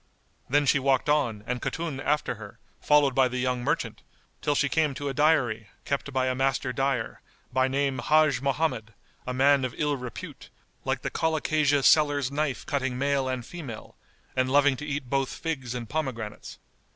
Then she walked on and Khatun after her, followed by the young merchant, till she came to a dyery, kept by a master dyer, by name Hajj Mohammed, a man of ill repute; like the colocasia[FN#194] seller's knife cutting male and female, and loving to eat both figs and pomegranates.